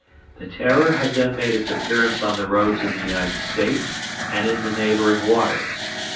The "Terror" had then made its appearance on the roads of the United States and in the neighboring waters.